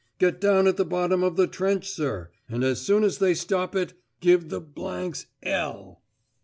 "Get down at the bottom of the trench, sir, and as soon as they stop it, give the 's 'ell!"